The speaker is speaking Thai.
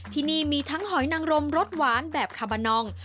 ที่นี่มีทั้งหอยนังรมรสหวานแบบคาบานอง